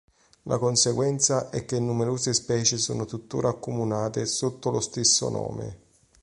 La conseguenza è che numerose specie sono tuttora accomunate sotto lo stesso nome.